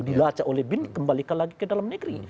dilacak oleh bin kembalikan lagi ke dalam negeri